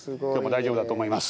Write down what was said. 大丈夫だと思います。